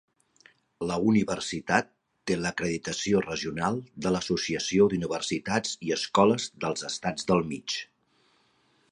La universitat té l'acreditació regional de l'Associació d'Universitats i Escoles dels Estats del Mig.